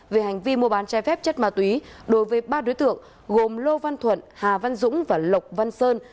về hành vi mua bán trái phép chất ma túy đối với ba đối tượng gồm lô văn thuận hà văn dũng và lộc văn sơn